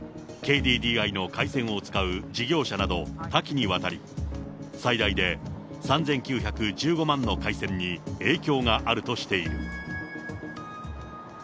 ＫＤＤＩの回線を使う事業者など、多岐にわたり、最大で３９１５万の回線に影響があるとしている。